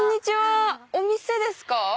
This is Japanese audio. お店ですか？